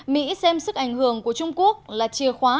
mỹ xem sức ảnh hưởng của trung quốc là chìa khóa